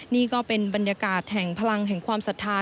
นี่ก็เป็นบรรยากาศแห่งพลังแห่งความศรัทธา